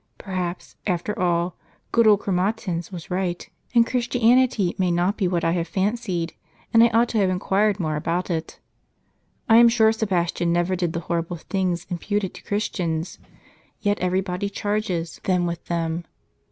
Perhaps, after all, good old Chro matins was right, and Christianity may not be what I have fancied ; and I ought to have inquired more about it. I am sure Sebastian never did the horrible things imputed to Chris tians. Yet every body charges them with them.